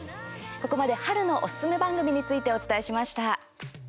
ここまで春のおすすめ番組について、お伝えしました。